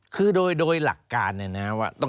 คือโดยหลักการเนี่ยนะว่า